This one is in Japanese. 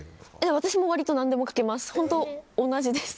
私も割と何でもかけます。